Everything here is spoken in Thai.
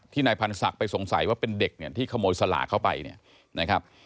นายพันศักดิ์ไปสงสัยว่าเป็นเด็กเนี่ยที่ขโมยสลากเข้าไปเนี่ยนะครับ